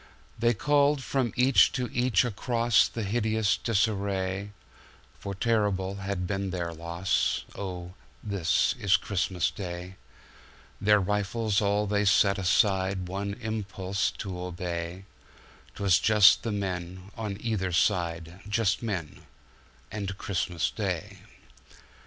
They called from each to each acrossThe hideous disarray, For terrible has been their loss:"Oh, this is Christmas Day!"Their rifles all they set aside, One impulse to obey;'Twas just the men on either side, Just men — and Christmas Day.